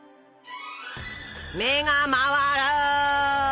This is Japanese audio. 目が回る。